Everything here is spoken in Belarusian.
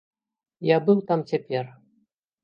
Я быў там цяпер.